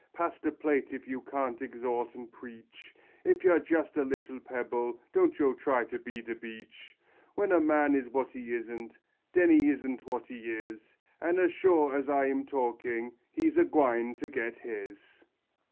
Pass de plate if yo can't exhawt and preach; If yo're jess a little pebble, don't yo try to be de beach; When a man is what he isn't, den he isn't what he is, An' as sure as I'm talking, he's a gwine to get his.